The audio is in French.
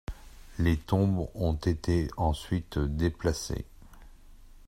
Les tombes ont été ensuite déplacées.